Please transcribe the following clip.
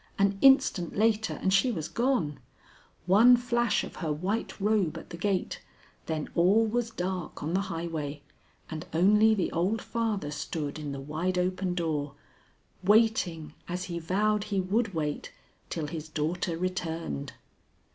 An instant later and she was gone. One flash of her white robe at the gate, then all was dark on the highway, and only the old father stood in the wide open door, waiting, as he vowed he would wait, till his daughter returned.